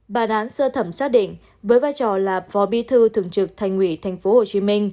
bà đán sơ thẩm xác định với vai trò là phó bi thư thường trực thành ủy tp hcm